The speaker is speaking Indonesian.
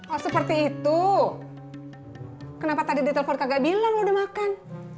oh seperti itu kenapa tadi di telepon kagak bilang lo udah makan